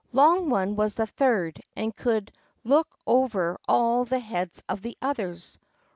Long one was the third, and could look over all the heads of the others.